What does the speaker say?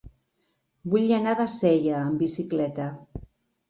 Vull anar a Bassella amb bicicleta.